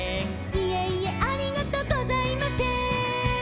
「いえいえありがとうございませーん」